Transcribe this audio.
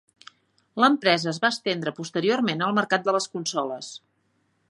L'empresa es va estendre posteriorment al mercat de les consoles.